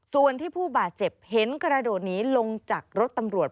ส่วนที่ผู้บาดเจ็บเห็นกระโดดหนีลงจากรถตำรวจ